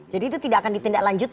jadi itu tidak akan ditindak lanjut ya